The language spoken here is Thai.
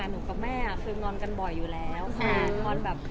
นูกับแม่ไม่ได้ต่อกันเลยหรอก